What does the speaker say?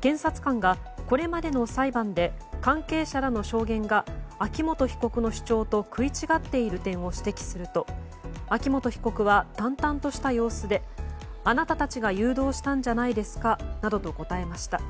検察官が、これまでの裁判で関係者らの証言が秋元被告の主張と食い違っている点を指摘すると秋元被告は淡々とした様子であなたたちが誘導したんじゃないですかなどと答えました。